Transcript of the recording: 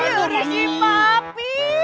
ihh ada si papi